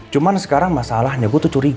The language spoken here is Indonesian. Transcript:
cuma sekarang masalahnya gue tuh curiga